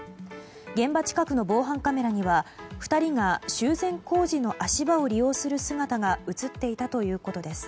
現場近くの防犯カメラには２人が修繕工事の足場を利用する姿が映っていたということです。